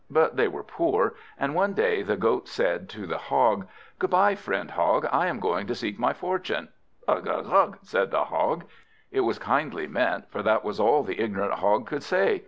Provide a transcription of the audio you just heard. But they were poor, and one day the Goat said to the Hog "Good bye, friend Hog! I am going to seek my fortune." "Ugh! ugh! ugh!" said the Hog. It was kindly meant, for that was all the ignorant Hog could say.